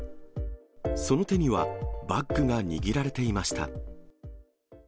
その手にはバッグが握られていました。